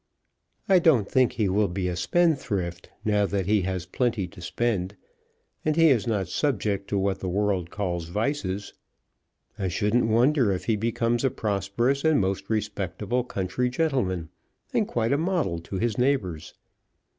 I don't think he will be a spendthrift now that he has plenty to spend, and he is not subject to what the world calls vices. I shouldn't wonder if he becomes a prosperous and most respectable country gentleman, and quite a model to his neighbours."